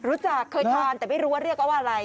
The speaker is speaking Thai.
รู้จักเคยทานแต่ไม่รู้ว่าเรียกว่าอะไร